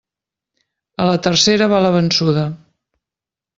A la tercera va la vençuda.